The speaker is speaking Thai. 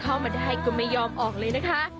เข้ามาได้ก็ไม่ยอมออกเลยนะคะ